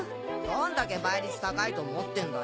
どんだけ倍率高いと思ってんだよ。